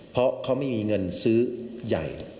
เพราะเขาไม่มีเงินซื้อใหญ่